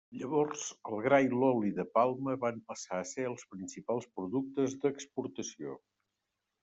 Llavors, el gra i l'oli de palma van passar a ser els principals productes d'exportació.